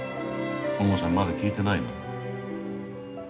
ももさんまだ聞いてないの。